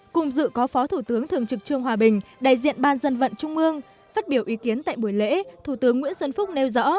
cùng dự có phó thủ tướng thường trực trương hòa bình đại diện ban dân vận trung mương phát biểu ý kiến tại buổi lễ thủ tướng nguyễn xuân phúc nêu rõ